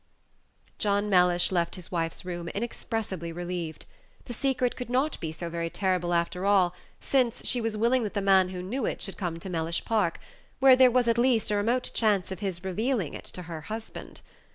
John Mellish left his wife's room inexpressibly relieved. The secret could not be so very terrible after all, since she was willing that the man who knew it should come to Mellish Park, where there was at least a remote chance of his revealing it to her husband.